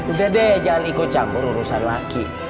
udah deh jangan ikut campur urusan laki